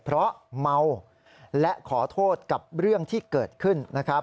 เพราะเมาและขอโทษกับเรื่องที่เกิดขึ้นนะครับ